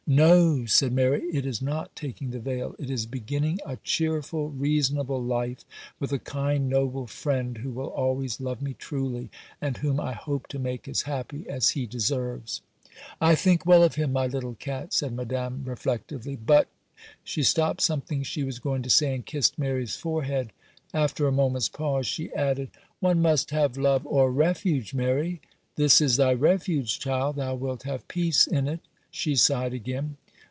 'No,' said Mary, 'it is not taking the veil, it is beginning a cheerful, reasonable life with a kind, noble friend who will always love me truly, and whom I hope to make as happy as he deserves.' 'I think well of him, my little cat,' said Madame, reflectively; 'but—,' she stopped something she was going to say, and kissed Mary's forehead; after a moment's pause, she added, 'One must have love or refuge, Mary; this is thy refuge, child; thou wilt have peace in it;' she sighed again.